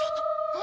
何？